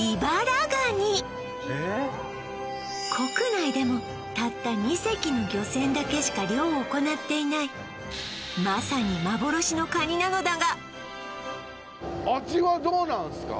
国内でもたった２隻の漁船だけしか漁を行っていないまさに幻のカニなのだが味はどうなんすか？